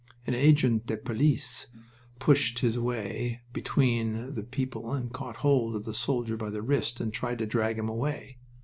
An agent de police pushed his way between the people and caught hold of the soldier by the wrist and tried to drag him away.